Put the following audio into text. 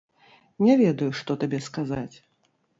Не ведаю, што табе сказаць.